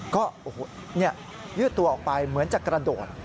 ก็ยืดตัวออกไปเหมือนจะกระโดด